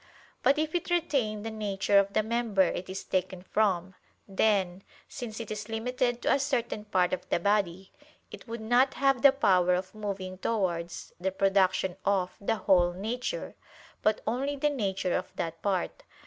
But if it retained the nature of the member it is taken from, then, since it is limited to a certain part of the body, it would not have the power of moving towards (the production of) the whole nature, but only the nature of that part.